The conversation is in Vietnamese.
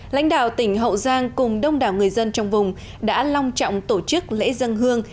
lãnh đạo tỉnh hậu giang cùng đông đảo người dân trong vùng đã long trọng tổ chức lễ dân hương